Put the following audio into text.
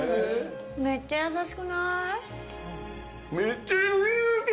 めっちゃ優しくない？